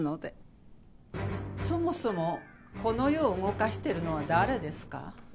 そもそもこの世を動かしてるのは誰ですか？